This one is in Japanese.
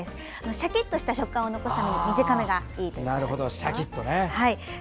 シャキッとした食感を残すために短めがいいということです。